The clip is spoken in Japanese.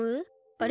あれ？